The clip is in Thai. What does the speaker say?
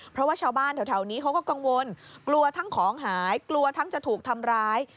เพราะว่าชาวบ้านแถวนี้เขาก็กังวลกลัวทั้งของหายกลัวทั้งจะถูกทำร้าย